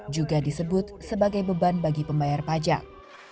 juga disebut sebagai beban bagi pembayar pajak